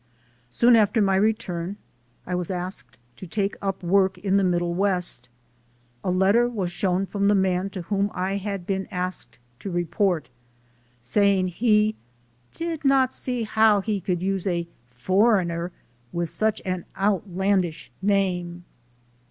Soon after my return I was asked to take up work in the Middle West. A letter was shown from the man to whom I had been asked to report, saying he did not see how he could use a "foreigner" with such an "outlandish name."